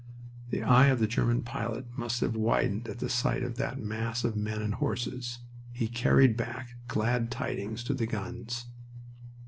The eye of the German pilot must have widened at the sight of that mass of men and horses. He carried back glad tidings to the guns.